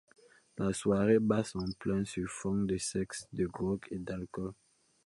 La soirée bat son plein sur fond de sexe, de drogue et d'alcool.